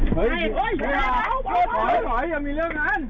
เฮ้ยถอยอย่ามีเรื่องนั้น